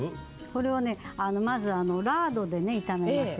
これをねまずラードで炒めます。